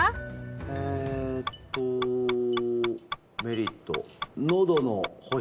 えっとメリット。